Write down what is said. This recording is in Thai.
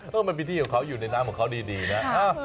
มันเป็นที่ของเขาอยู่ในน้ำของเขาดีนะ